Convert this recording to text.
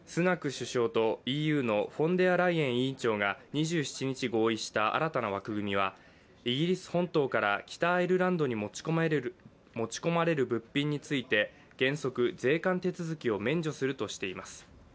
首相とＥＵのフォンデアライエン委員長が２７日合意した新たな枠組みはイギリス本島から北アイルランドに持ち込まれる物品について原則、税関手続きを免除するとしています。